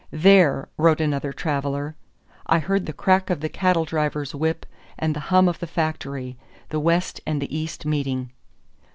There, wrote another traveler, "I heard the crack of the cattle driver's whip and the hum of the factory: the West and the East meeting."